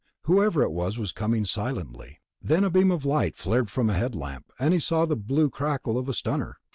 Whoever it was was coming silently.... Then a beam of light flared from a headlamp, and he saw the blue crackle of a stunner.